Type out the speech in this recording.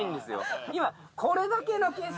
今これだけの景色。